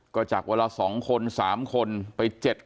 ก็จากเวลา๒คน๓คนประมาณ๗คน